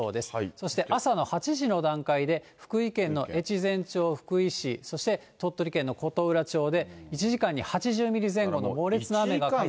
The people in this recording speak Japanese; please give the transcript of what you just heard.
そして朝の８時の段階で、福井県の越前町、福井市、そして鳥取県の琴浦町で１時間に８０ミリ前後の猛烈な雨が。